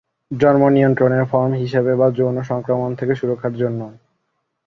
জন্ম নিয়ন্ত্রণের ফর্ম হিসাবে বা যৌন সংক্রমণ থেকে সুরক্ষার জন্য।